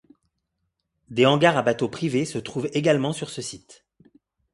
Des hangars à bateaux privés se trouvent également sur ce site.